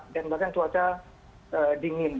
dan bahkan cuaca dingin